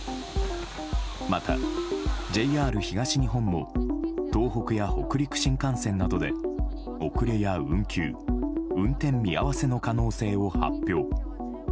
またＪＲ東日本も東北や北陸新幹線などで遅れや運休運転見合わせの可能性を発表。